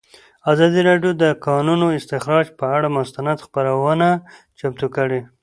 ازادي راډیو د د کانونو استخراج پر اړه مستند خپرونه چمتو کړې.